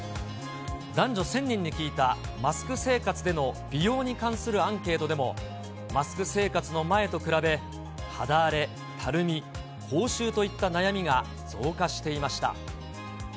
男女１０００人に聞いたマスク生活での美容に関するアンケートでも、マスク生活の前と比べ、肌荒れ、たるみ、口臭といった悩みが増加していました。